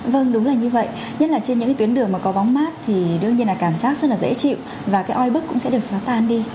vâng đúng là như vậy nhất là trên những cái tuyến đường mà có bóng mát thì đương nhiên là cảm giác rất là dễ chịu và cái oi bức cũng sẽ được xóa tan đi